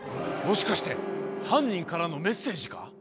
もしかしてはんにんからのメッセージか？